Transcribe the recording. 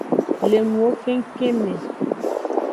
Le nuwo kengkeng me.